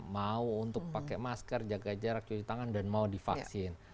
mau untuk pakai masker jaga jarak cuci tangan dan mau divaksin